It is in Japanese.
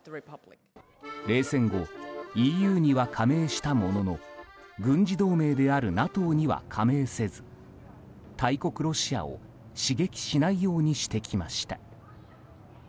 冷戦後、ＥＵには加盟したものの軍事同盟であるＮＡＴＯには加盟せず大国ロシアを刺激しないようにしてきました。